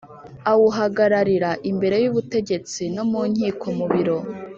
Awuhagararira imbere y ubutegetsi no mu nkiko mu biro.